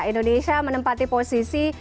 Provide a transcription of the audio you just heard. indonesia menempati posisi